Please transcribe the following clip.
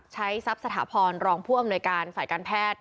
ทรัพย์สถาพรรองผู้อำนวยการฝ่ายการแพทย์